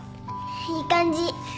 いい感じ